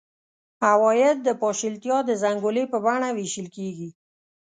عواید د پاشلتیا د زنګولې په بڼه وېشل کېږي.